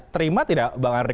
terima tidak bang andri